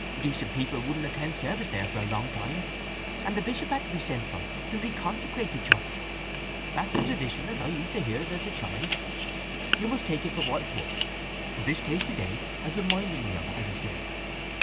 Decent people wouldn't attend service there for a long time, and the Bishop had to be sent for to reconsecrate the church. That's the tradition as I used to hear it as a child. You must take it for what it is wo'th, but this case to day has reminded me o't, as I say."